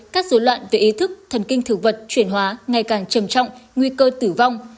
các dối loạn về ý thức thần kinh thực vật chuyển hóa ngày càng trầm trọng nguy cơ tử vong